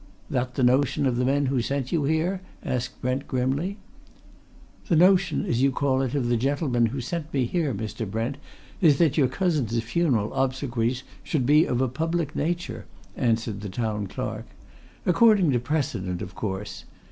"That the notion of the men who sent you here?" asked Brent grimly. "The notion, as you call it, of the gentlemen who sent me here, Mr. Brent, is that your cousin's funeral obsequies should be of a public nature," answered the Town Clerk. "According to precedent, of course.